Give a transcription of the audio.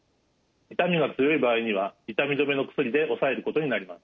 痛みが強い場合には痛み止めの薬で抑えることになります。